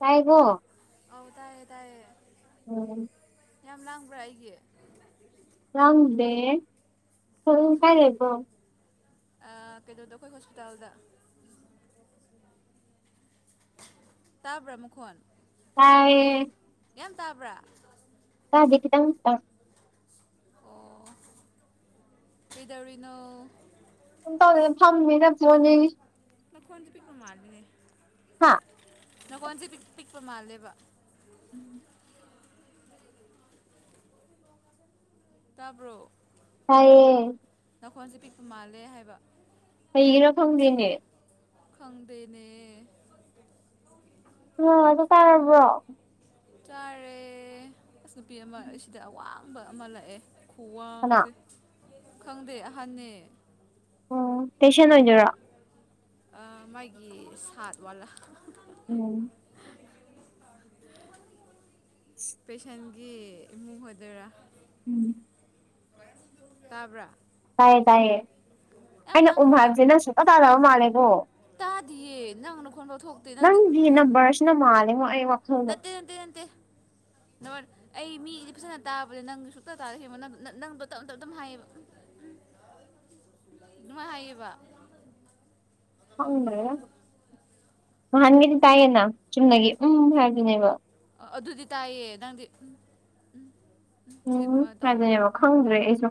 ꯇꯥꯏꯀꯣ ꯑꯗ ꯑꯦ ꯇ ꯑꯣꯝ ꯌꯥꯝ ꯂꯥꯡꯕ꯭ꯔꯥ ꯑꯩꯒꯤ ꯆꯪꯗꯦ ꯑꯣ ꯁꯣꯝ ꯀꯩꯅꯣꯗꯣ ꯑꯩꯈꯣꯏ ꯍꯣꯁꯄꯤꯇꯥꯜꯗ ꯇꯥ ꯭ꯔꯃꯨꯣꯟ ꯑ ꯀꯒ꯭ ꯇꯥꯕ꯭ꯔꯥ ꯀ ꯇ ꯑꯣ ꯀꯗꯧꯔꯤꯅꯣ ꯇꯧꯔꯦꯅ ꯐꯝꯃꯤ ꯅꯁꯤꯔꯅꯦꯒꯤ ꯅꯈꯣꯟꯁꯦ ꯄꯤꯛꯄ ꯃꯥꯔꯗꯅꯦ ꯍꯥꯥ ꯅꯒꯣꯟꯁꯦ ꯄꯤꯛꯄ ꯃꯥꯜꯂꯦꯕ ꯎꯝ ꯇꯕ꯭ꯔꯣ ꯇꯌꯦ ꯈꯣꯟꯁꯦ ꯄꯤꯛꯄ ꯃꯥꯜꯂꯦ ꯍꯥꯏꯕ ꯍꯩꯔ ꯐꯪꯒꯤꯅꯦ ꯈꯪꯗꯦꯅꯦ ꯑꯣꯗ ꯀꯥ ꯑꯣꯏꯔꯕ꯭ꯔꯣ ꯆꯥꯔꯦ ꯑꯁ ꯅꯨꯄꯤ ꯑꯃ ꯁꯤꯗ ꯑꯋꯥꯡꯕ ꯑꯃ ꯂꯛꯑꯦ ꯀꯅꯥ ꯈꯨꯋꯥꯡꯁꯦ ꯈꯪꯗꯦ ꯑꯍꯟꯅ ꯑꯣ ꯇꯁꯤꯅ ꯍꯥꯏꯖꯣꯣꯔꯣ ꯃꯥꯒꯤ ꯁꯥꯠ ꯋꯥꯂꯥ ꯎꯝ ꯄꯦꯁꯦꯟꯒꯤ ꯏꯃꯨꯡ ꯑꯣꯏꯗꯣꯏꯔꯥ ꯎꯝ ꯇꯥꯕ꯭ꯔ ꯇꯥꯏꯌꯦ ꯇꯥꯏꯌꯦ ꯑꯩꯅ ꯎꯝ ꯂꯥꯡꯕ꯭ꯔꯥ ꯍꯥꯏꯕꯁꯤ ꯅꯪ ꯁꯨꯡꯛꯇ ꯇꯥꯗꯕ ꯃꯥꯜꯂꯦꯀꯣ ꯇꯥꯗꯤꯌꯦ ꯅꯪꯅ ꯈꯣꯟꯕ ꯊ ꯊꯣꯛ ꯅꯪꯒꯤ ꯅ ꯔꯁꯅ ꯃꯥꯜꯜꯂꯤꯦꯉꯣ ꯑꯩ ꯋꯥꯈꯜꯗ ꯅꯠꯇꯦ ꯅꯠꯇꯦ ꯅꯇꯦ ꯅ ꯑꯩ ꯃꯤꯗꯤ ꯐꯖꯅ ꯇꯥꯕꯅꯦ ꯅꯪ ꯁꯨꯛꯇ ꯇꯥꯔ ꯍ ꯅꯪꯗꯣ ꯇꯞꯅ ꯇꯞ ꯑꯗꯨꯝ ꯍꯥꯏꯌꯦꯕ ꯅꯃꯥꯏ ꯍꯥꯏꯕ ꯍꯪꯗ꯭ꯔꯗ ꯅꯍꯥꯟꯒꯤꯗꯤ ꯇꯥꯏꯌꯦꯅ ꯆꯨꯝꯅꯒꯤ ꯎꯝ ꯍꯥꯏꯕꯗꯨꯅꯦꯕ ꯑꯗꯨꯗꯤ ꯇꯥꯏꯌꯦ ꯅꯪꯗꯤ ꯎꯝ ꯎꯝ ꯎꯝ ꯍꯥꯏꯅꯦꯕ ꯈꯪꯗ꯭ꯔꯦ ꯑꯩꯁꯨ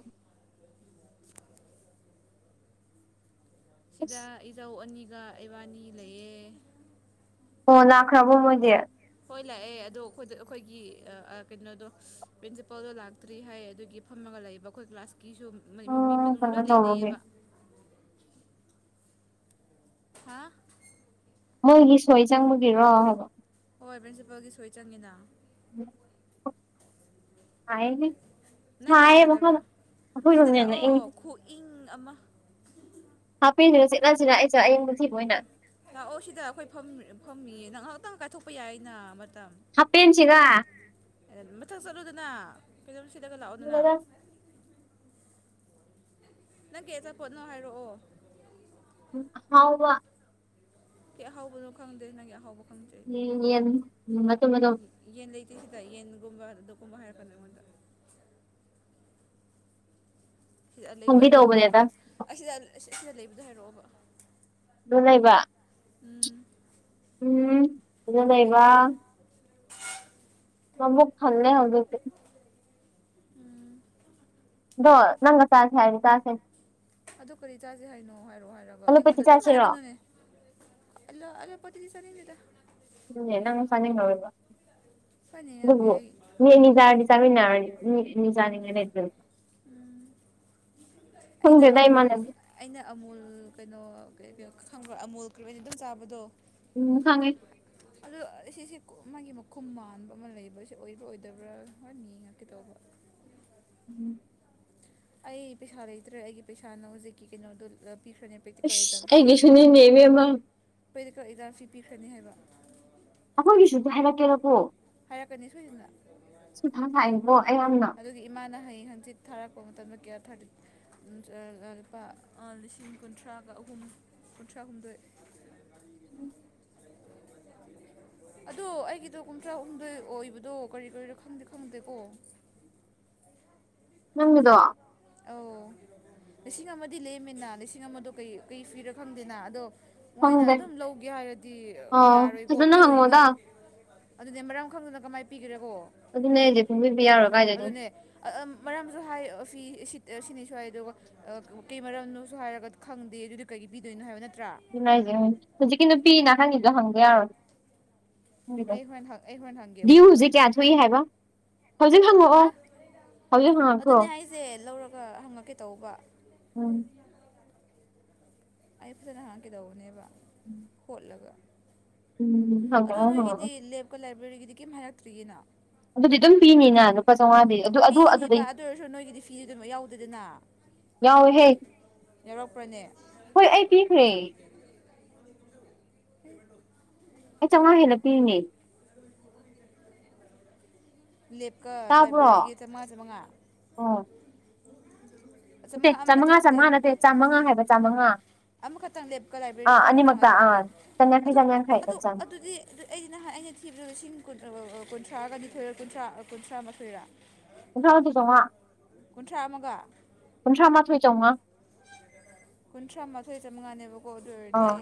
ꯑꯁ ꯁꯤꯗ ꯏꯖꯧ ꯑꯅꯤꯒ ꯏꯕꯥꯅꯤ ꯂꯩꯑ ꯑꯣ ꯂꯥꯛꯈ꯭ꯔꯕꯣ ꯃꯣꯏꯗꯤꯦ ꯍꯣꯏ ꯂꯥꯛꯑꯦ ꯑꯗꯣ ꯑꯩꯈꯣꯏꯗ ꯑꯩꯈꯣꯏꯒꯤ ꯀꯩꯅꯣꯗꯣ ꯄ꯭ꯔꯤꯟꯁꯤꯄꯥꯜꯗꯣ ꯂꯥꯛꯇ꯭ꯔꯤ ꯍꯥꯏ ꯑꯗꯨꯒꯤ ꯐꯝꯃꯒ ꯂꯩꯌꯦꯕ ꯑꯩꯈꯣꯏ ꯀ꯭ꯂꯥꯁꯀꯤꯁꯨ ꯃꯤ ꯎꯝ ꯃꯅꯨꯡꯗ ꯀꯩꯅꯣ ꯂꯣꯏ ꯇꯧꯕꯒꯤ ꯂꯩꯅꯩꯌꯦꯕ ꯍꯥꯥ ꯃꯣꯏꯒꯤ ꯁꯣꯏ ꯆꯪꯕꯒꯤꯔꯣ ꯍꯥꯏꯕꯣ ꯍꯣꯏ ꯄ꯭ꯔꯤꯟꯁꯤꯄꯜꯒꯤ ꯁꯣꯏ ꯆꯪꯉꯤꯅ ꯎꯝ ꯅꯪ ꯒ꯭ꯌꯥꯟ ꯁꯥꯏꯌꯦ ꯇꯥꯗꯕ꯭ꯔꯥ ꯃꯈꯥꯗ ꯑꯁꯤꯗ ꯑꯩꯈꯣꯏꯔꯣꯝꯅ ꯍꯦꯟꯅ ꯂꯥꯛꯑꯣ ꯏꯪꯉꯤ ꯈꯨꯏꯪ ꯑꯃ ꯍꯥꯞꯄꯤꯤꯅ ꯏꯠ ꯂꯥꯛꯑꯣ ꯁꯤꯗ ꯑꯩꯈꯣꯏ ꯐꯝꯃꯤꯌꯦ ꯅꯪ ꯉꯥꯏꯍꯥꯛꯇꯪ ꯀꯥꯏꯊꯣꯛꯄ ꯌꯥꯏꯅ ꯃꯇꯝ ꯍꯥꯄꯦꯟꯁꯤꯒ ꯃꯊꯛ ꯆꯠꯂꯨꯗꯅ ꯐꯤꯂꯝ ꯁꯤꯠꯂꯒ ꯂꯥꯛꯑꯣꯗꯅ ꯅꯪ ꯀꯦ ꯑꯆꯥꯄꯣꯠꯅꯣ ꯍꯥꯏꯔꯛꯑꯣ ꯍꯥꯎ ꯋꯥ ꯀ ꯑꯍꯥꯎꯕꯅꯣ ꯈꯪꯗꯦ ꯅꯪꯒꯤ ꯑꯍꯥꯎꯕ ꯈꯪꯗꯦ ꯎꯝ ꯌꯦꯟ ꯃ ꯃꯗꯨ ꯌꯦꯟ ꯂꯩꯇ꯭ꯔꯤꯁꯤꯗ ꯌꯦꯟꯒꯨꯝꯕ ꯑꯗꯨꯒꯨꯝꯕ ꯍꯥꯏꯔꯛꯀꯅꯤ ꯑꯩꯉꯣꯟ ꯁꯤꯗ ꯂꯩꯕ ꯂꯩꯕꯗꯀꯣ ꯈꯪꯕꯤꯗꯧꯕꯅꯦꯗ ꯑꯁꯤꯗ ꯑꯁꯤꯗ ꯂꯩꯕꯗꯣ ꯍꯥꯏꯔꯛꯑꯣꯕ ꯅꯨꯡ ꯂꯩꯕ ꯎꯝ ꯎꯝ ꯑꯗꯨꯖ ꯑꯂꯨ ꯂꯩꯕ ꯄꯦꯇꯤ ꯃꯃꯕꯨ ꯐꯜꯦ ꯍꯧꯗꯦ ꯎꯝ ꯑꯗꯣ ꯅꯪꯒ ꯆꯥꯁꯦ ꯍꯥꯏꯗꯤ ꯆꯥꯁꯦ ꯑꯗꯨ ꯀꯔꯤ ꯆꯥꯁꯦ ꯍꯥꯏꯅꯣ ꯍꯥꯏꯔꯛꯑꯣ ꯍꯥꯏꯔꯒ ꯑꯂꯨꯄꯇꯤ ꯑꯩꯉꯣꯟꯗ ꯑꯗꯨꯝ ꯆꯥꯁꯤꯔꯣ ꯍꯥꯏꯔꯛꯀꯅꯣꯅꯦ ꯂ ꯑ ꯄꯣꯇꯤ ꯆꯅꯤꯡꯗꯦꯗ ꯗꯨꯅꯦ ꯅꯪ ꯆꯥꯅꯤꯡꯉꯔꯣꯏꯕ ꯐꯅꯤ ꯌꯥ ꯀꯦ ꯑꯗꯨꯕꯨ ꯃꯤ ꯑꯅꯤ ꯆꯥꯔꯗꯤ ꯆꯥꯃꯤꯟꯅꯔꯗꯤ ꯃꯤ ꯃꯤꯖꯥꯅꯤꯡꯉꯅꯦ ꯑꯩꯅ ꯈꯪꯗꯦꯗ ꯑꯃꯨꯜ ꯏꯃꯥꯟꯅꯕꯤ ꯑꯩꯅ ꯑꯃꯨꯜ ꯀꯩꯅꯣ ꯈꯪꯕ꯭ꯔꯣ ꯑꯃꯨꯜ ꯀ꯭ꯔꯤ ꯑꯣꯏꯅ ꯗꯨꯝ ꯆꯥꯕꯗꯣ ꯎꯝ ꯈꯪꯉꯦ [unintelligible] ꯑꯗꯣ ꯁꯤꯁꯦ ꯃꯥꯒꯤ ꯃꯈꯨꯝ ꯃꯥꯟꯕ ꯑꯃ ꯂꯩꯕꯁꯦ ꯑꯣꯏꯕ꯭ꯔꯥ ꯑꯣꯏꯗꯕ꯭ꯔꯥ ꯍꯣꯔꯦꯟ ꯌꯦꯡꯉꯥꯀꯦ ꯇꯧꯕ ꯎꯝ ꯑꯩ ꯄꯩꯁꯥ ꯂꯩꯇ꯭ꯔꯦ ꯑꯩꯒꯤ ꯄꯩꯁꯥꯅ ꯍꯧꯖꯤꯛꯀꯤ ꯀꯩꯅꯣꯗꯣ ꯄꯤꯈ꯭ꯔꯅꯦꯕ ꯑꯁ ꯑꯩꯒꯤꯁꯨꯅꯤꯅꯦ ꯏꯕꯦꯝꯃ ꯑꯩꯈꯣꯏꯗ ꯀꯛ ꯏꯖꯥ ꯐꯤ ꯄꯤꯈ꯭ꯔꯅꯤ ꯍꯥꯏꯕ ꯑꯩꯈꯣꯏꯒꯤꯁꯨꯗ ꯍꯥꯏꯔꯛꯀꯦꯔꯀꯣ ꯍꯥꯏꯔꯛꯀꯅꯤ ꯁꯣꯏꯗꯅ ꯁꯤ ꯊꯥꯡ ꯉꯥꯏꯕꯣ ꯑꯌꯥꯝꯅ ꯑꯗꯨꯒꯤ ꯏꯃꯥꯅ ꯍꯌꯦꯡ ꯍꯪꯆꯤꯠ ꯊꯥꯔꯛꯄ ꯃꯇꯝꯗ ꯀꯌꯥ ꯊꯥ ꯂꯨꯄꯥ ꯂꯤꯁꯤꯡ ꯀꯨꯟꯊ꯭ꯔꯥꯒ ꯑꯍꯨꯝ ꯀꯨꯟꯊ꯭ꯔꯥꯍꯨꯝꯗꯣꯏ ꯑꯗꯣ ꯑꯩꯒꯤꯗꯣ ꯀꯨꯟꯊ꯭ꯔꯥꯍꯨꯝꯗꯣꯏ ꯑꯣꯏꯕꯗꯣ ꯀꯔꯤ ꯀꯔꯤꯔꯣ ꯈꯪꯗꯤ ꯈꯪꯗꯦꯀꯣ ꯅꯪꯒꯤꯗꯣ ꯑꯧ ꯂꯤꯁꯤꯡ ꯑꯃꯗꯤ ꯂꯦꯝꯃꯤꯅ ꯂꯤꯁꯤꯡ ꯑꯃꯗꯣ ꯀꯩ ꯀꯩ ꯐꯤꯔ ꯈꯪꯗꯦꯅ ꯑꯗꯣ ꯃꯣꯏꯅ ꯈꯪꯗꯦ ꯑꯗꯨꯝ ꯂꯧꯒꯦ ꯍꯥꯏꯔꯗꯤ ꯑꯥ ꯌꯥꯔꯣꯏꯀꯣ ꯐꯖꯅ ꯄꯤꯔꯣꯏꯅꯣ ꯍꯪꯉꯣꯗ ꯑꯗꯨꯅꯦ ꯃꯔꯝ ꯈꯪꯗꯅ ꯀꯃꯥꯏꯅ ꯄꯤꯒꯦꯔꯀꯣ ꯑꯗꯨꯅꯦ ꯑꯩꯁꯦ ꯐꯨꯡꯕꯤꯕꯤ ꯌꯥꯔꯣꯏ ꯀꯥꯏꯗꯩꯅꯣ ꯑꯗꯨꯅꯦ ꯃꯔꯝꯁꯨ ꯍꯥꯏ ꯐꯤ ꯑꯦ ꯁꯤ ꯁꯤꯅꯤꯁꯨ ꯍꯥꯏ ꯑꯗꯨꯒ ꯀꯩ ꯃꯔꯝꯅꯣꯁꯨ ꯍꯥꯏꯔꯒ ꯈꯪꯗꯦ ꯑꯗꯨꯗꯤ ꯀꯩꯒꯤ ꯄꯤꯗꯣꯏꯅꯣ ꯍꯥꯏꯕ ꯅꯠꯇ꯭ꯔꯥ ꯑꯗꯨꯅꯦ ꯍꯥꯏꯁꯦ ꯎꯝ ꯍꯧꯖꯤꯛꯀꯤ ꯅꯨꯄꯤ ꯅꯥꯀꯟꯒꯤ ꯍꯪꯗ ꯌꯥꯔꯣꯏ ꯑꯩ ꯍꯣꯔꯦꯟ ꯑꯩ ꯍꯣꯔꯦꯟ ꯍꯪꯒꯦ ꯑꯃꯨꯛꯀ ꯗ꯭ꯌꯨꯖꯦ ꯀꯌꯥ ꯊꯣꯛꯏ ꯍꯥꯏꯕ ꯍꯧꯖꯤꯛ ꯍꯪꯉꯛꯑꯣ ꯍꯧꯖꯤꯛ ꯍꯪꯉꯛꯈꯔꯣ ꯁꯦ ꯂꯧꯔꯒ ꯍꯪꯉꯛꯀꯦ ꯇꯧꯕ ꯎꯝ ꯑꯩ ꯐꯖꯅ ꯍꯥꯡꯀꯦ ꯗꯧꯕꯅꯦꯕ ꯍꯣꯠꯂꯒ ꯎꯝ ꯑꯗꯣ ꯍꯪꯉꯛꯑꯣ ꯅꯣꯏꯒꯤꯗꯤ ꯍꯪꯉꯛꯑꯣ ꯂꯦꯞꯀ ꯂꯥꯏꯕ꯭ꯔꯦꯔꯤꯒꯗꯤ ꯀꯩꯝ ꯍꯥꯏꯔꯛꯇ꯭ꯔꯤꯒꯤꯅꯥ ꯑꯗꯨꯗꯤ ꯑꯗꯨꯝ ꯄꯤꯅꯤꯅ ꯂꯨꯄꯥ ꯆꯥꯝꯉꯥꯗꯤ ꯄꯤꯒꯅꯤꯕ ꯑꯗꯨ ꯑꯣꯏꯔꯁꯨ ꯅꯣꯏꯒꯤꯗꯤ ꯐꯤꯁꯨ ꯑꯗꯨꯝꯃ ꯌꯥꯎꯗꯦꯗꯅ ꯌꯥꯎꯋꯦꯍꯦ ꯌꯥꯎꯔꯛꯄ꯭ꯔꯅꯦ ꯍꯣꯏ ꯑꯩ ꯄꯤꯈ꯭ꯔꯦ ꯑꯩ ꯆꯥꯝꯉꯥ ꯍꯦꯟꯅ ꯄꯤꯔꯤꯅꯦ ꯂꯦꯞꯀ ꯇꯥꯕ꯭ꯔꯣ ꯂꯥꯏꯕ꯭ꯔꯦꯔꯤꯒꯤ ꯆꯥꯝꯉꯥ ꯆꯥꯝꯉꯥ ꯅꯦ ꯆꯥꯝꯃꯉꯥ ꯆꯥꯝꯃꯉꯥ ꯅꯠꯇꯦ ꯆꯥꯝꯃꯉꯥ ꯍꯥꯏꯕ ꯆꯥꯝꯃꯉꯥ ꯑꯃꯈꯛꯇꯪ ꯂꯦꯞꯀ ꯂꯥꯏꯕ꯭ꯔꯦꯔꯤ ꯑꯥ ꯑꯃꯈꯛꯇꯪ ꯑꯅꯤꯃꯛꯇ ꯑꯣꯏꯕ ꯑꯥ ꯆꯥꯝꯌꯥꯡꯈꯩ ꯑꯗꯨ ꯆꯥꯝꯌꯥꯡꯈꯩ ꯑꯗꯨ ꯑꯗꯨꯝ ꯆꯪꯉꯦ ꯑꯗꯨꯗꯤ ꯑꯗꯨ ꯑꯩꯗꯤ ꯅꯍꯥꯟ ꯑꯩꯅ ꯊꯤꯕꯗ ꯂꯤꯁꯤꯡ ꯀꯨꯟꯊ꯭ꯔꯥꯒ ꯅꯤꯊꯣꯏꯔ ꯀꯨꯟꯊ꯭ꯔꯥ ꯀꯨꯟꯊ꯭ꯔꯥ ꯃꯥꯊꯣꯏꯔꯥ ꯀꯨꯟꯊꯔꯥ ꯃꯊꯣꯏ ꯆꯥꯎꯉꯥ ꯀꯨꯟꯊ꯭ꯔꯥ ꯑꯃꯒ ꯀꯨꯟꯊ꯭ꯔꯥꯃꯥꯊꯣꯏ ꯆꯥꯝꯃꯉꯥ ꯀꯨꯟꯊ꯭ꯔꯥ ꯃꯥꯊꯣꯏ ꯆꯥꯝꯃꯉꯥꯅꯦꯕꯀꯣ ꯑꯗꯨ ꯑꯣꯏꯔꯗꯤ ꯑꯥ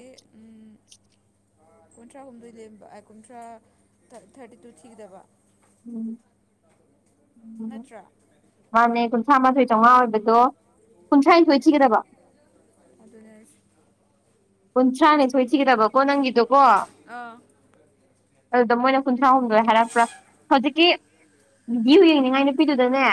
ꯀꯨꯟꯊ꯭ꯔꯥ ꯍꯨꯝꯗꯣꯏ ꯂꯦꯝꯕ ꯑꯥꯏ ꯀꯨꯟꯊ꯭ꯔꯥ ꯊꯥꯔꯇꯤ ꯇꯨ ꯊꯤꯒꯗꯕ ꯎꯝ ꯅꯠꯇ꯭ꯔꯥ ꯎꯝ ꯍꯥꯟꯅꯩ ꯀꯨꯟꯊ꯭ꯔꯥ ꯃꯥꯊꯣꯏ ꯆꯥꯝꯉꯥ ꯑꯣꯏꯕꯗꯣ ꯀꯨꯟꯊ꯭ꯔꯥꯅꯤꯊꯣꯏ ꯊꯤꯒꯗꯕ ꯑꯗꯨꯅꯦ ꯍꯥꯏꯁꯦ ꯀꯨꯟꯊ꯭ꯔꯥꯅꯤꯊꯣꯏ ꯊꯤꯒꯗꯕꯀꯣ ꯅꯪꯒꯤꯗꯨꯀꯣ ꯑꯥ ꯑꯗꯨꯗ ꯃꯣꯏꯅ ꯀꯨꯟꯊ꯭ꯔꯥꯍꯨꯝꯗꯣꯏ ꯍꯥꯏꯔꯛꯄ꯭ꯔꯥ ꯍꯧꯖꯤꯛꯀꯤ ꯗ꯭ꯌꯨ ꯌꯦꯡꯅꯤꯡꯉꯥꯏꯅꯦ ꯅꯨꯄꯤꯗꯨꯗꯅꯦ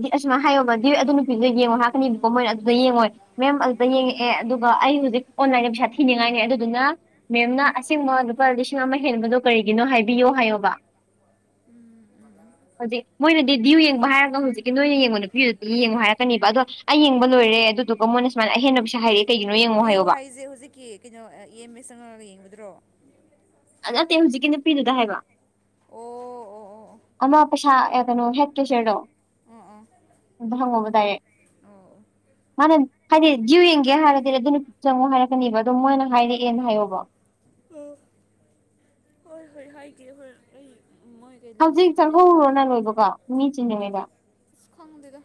ꯗꯤ ꯑꯁꯨꯃꯥꯏꯅ ꯍꯥꯏꯌꯣꯕ ꯗꯤꯜ ꯑꯗꯨ ꯅꯨꯄꯤꯗꯨꯅꯣ ꯌꯦꯡꯉꯣ ꯍꯥꯔꯛꯀꯅꯤꯕꯀꯣ ꯃꯣꯏꯅ ꯑꯗ ꯑꯗꯨ ꯌꯦꯡꯉꯣꯏ ꯃꯦꯝ ꯑꯗꯨꯗ ꯌꯦꯡꯉꯛꯑꯦ ꯑꯗꯨꯒ ꯑꯩ ꯍꯨꯖꯤꯛ ꯑꯣꯟꯂꯥꯏꯟꯗ ꯄꯩꯁꯥ ꯊꯤꯅꯤꯡꯉꯥꯏꯅꯦ ꯑꯗꯨꯗꯨꯅ ꯃꯦꯝꯅ ꯑꯁꯦꯡꯕ ꯂꯨꯄꯥ ꯂꯤꯁꯤꯡ ꯑꯃ ꯍꯦꯟꯕꯗꯣ ꯀꯔꯤꯒꯤꯅꯣ ꯍꯥꯏꯕꯤꯌꯣ ꯍꯥꯏꯌꯣꯕ ꯎꯝ ꯎꯝꯎꯝ ꯍꯧꯖꯤꯛ ꯃꯣꯏꯅꯗꯤ ꯗ꯭ꯌꯨ ꯌꯦꯡꯕ ꯍꯥꯏꯔꯒ ꯍꯧꯖꯤꯛꯀꯤ ꯅꯣꯏꯅ ꯌꯦꯡꯕ ꯅꯨꯄꯤꯗꯨꯗꯒꯤ ꯌꯦꯡꯉꯣ ꯍꯥꯏꯔꯛꯀꯅꯤꯕ ꯑꯗꯣ ꯑꯩ ꯌꯦꯡꯕ ꯂꯣꯏꯔꯦ ꯑꯗꯨꯗꯨꯒ ꯃꯣꯏꯅ ꯁꯨꯃꯥꯏꯅ ꯑꯍꯦꯟꯕ ꯄꯩꯁꯥ ꯍꯥꯏꯔꯛꯑꯦ ꯀꯩꯒꯤꯅꯣ ꯌꯦꯡꯉꯣ ꯚ꯭ꯌꯨ ꯍꯥꯏꯌꯣꯕ ꯍꯥꯏꯁꯦ ꯍꯨꯖꯤꯛꯀꯤ ꯀꯩꯅꯣ ꯑ ꯏ ꯑꯦꯝ ꯑꯦꯁ ꯆꯪꯉꯒ ꯌꯦꯡꯕꯗꯨꯔꯣ ꯑ ꯅꯠꯇꯦ ꯍꯨꯖꯤꯛꯀꯤ ꯅꯨꯄꯤꯗꯨꯗ ꯍꯥꯏꯕ ꯑꯣ ꯑꯣ ꯑꯣ ꯑꯣ ꯑꯃ ꯄꯩꯁꯥ ꯑꯦ ꯀꯩꯅꯣ ꯍꯦꯛ ꯇꯤꯆꯔꯗꯣ ꯑ ꯑ ꯑꯗꯨꯗ ꯍꯪꯉꯣꯕ ꯗꯥꯏꯔꯦꯛ ꯑꯣ ꯑꯣ ꯃꯥꯅ ꯍꯥꯏꯗꯤ ꯗ꯭ꯌꯨ ꯌꯦꯡꯒꯦ ꯍꯥꯏꯔꯗꯤ ꯔꯦꯗꯤꯃꯤꯠꯇ ꯆꯪꯉꯣ ꯍꯥꯏꯔꯛꯀꯅꯤꯕ ꯑꯗꯨꯝ ꯃꯣꯏꯅ ꯍꯥꯏꯔꯛꯑꯦꯅ ꯍꯥꯏꯌꯣꯕ ꯑꯣ ꯍꯣꯏ ꯍꯣꯏ ꯍꯥꯏꯒꯦ ꯍꯣꯏ ꯑꯩ ꯃꯣꯏ ꯀꯩ ꯂꯩ ꯍꯧꯖꯤꯛ ꯇꯧꯔꯗꯤ ꯆꯠꯍꯧꯔꯣ ꯅꯪ ꯂꯣꯏꯕꯒ ꯃꯤ ꯆꯤꯟꯗ꯭ꯔꯤꯉꯩꯗ ꯑꯁ ꯈꯪꯗꯦꯗ